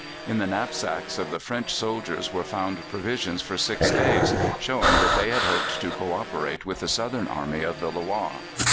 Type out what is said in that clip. In the knapsacks of the French soldiers were found provisions for six days, showing that they had hoped to co operate with the Southern Army of the Loire.